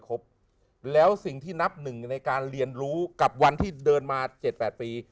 ครบแล้วสิ่งที่นับหนึ่งในการเรียนรู้กับวันที่เดินมา๗๘ปี